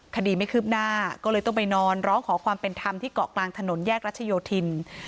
คดีไม่คืบหน้าก็เลยต้องไปนอนร้องขอความเป็นธรรมที่เกาะกลางถนนแยกรัชโยธิน